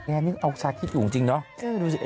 แอนนี่เอาชาติคิดอยู่จริงเนอะ